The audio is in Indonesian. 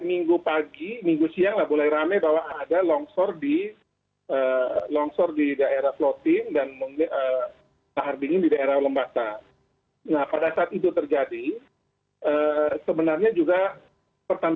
memang harus diakui bahwa